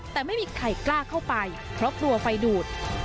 แต่ไม่มีใครกล้าเข้าไปเพราะกลัวไฟดูด